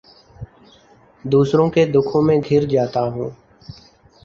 دوسروں کے دکھوں میں گھر جاتا ہوں